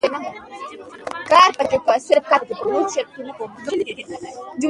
په ژوند کې یې خیانت نه دی کړی.